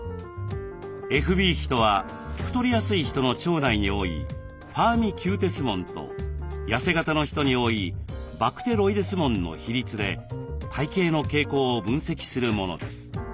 ＦＢ比とは太りやすい人の腸内に多いファーミキューテス門とやせ型の人に多いバクテロイデス門の比率で体型の傾向を分析するものです。